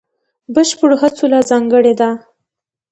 بشپړو هڅو له ځانګړې ده.